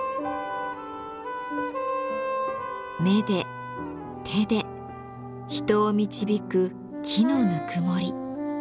目で手で人を導く木のぬくもり。